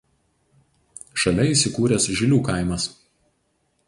Šalia įsikūręs Žilių kaimas.